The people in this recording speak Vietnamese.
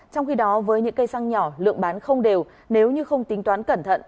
trong khi đó với những cây xăng nhỏ lượng bán không đều nếu như không tính toán cẩn thận